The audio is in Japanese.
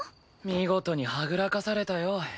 見事にはぐらかされたよ。